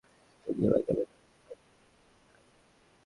ছবি তুলা যাবেনা, এমন সাইনবোর্ডও তো নাই।